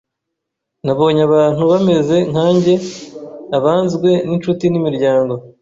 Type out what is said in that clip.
Nabonye abantu bameze nkanjye, abanzwe n’incuti n’imiryango,